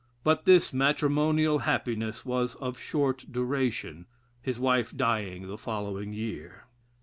But his matrimonial happiness was of short duration, his wife dying the following year.